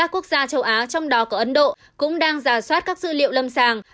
quốc gia châu á trong đó có ấn độ cũng đang giả soát các dữ liệu lầm sàng